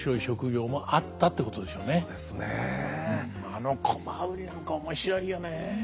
あの独楽売りなんか面白いよね。